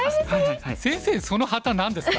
先生その旗何ですか？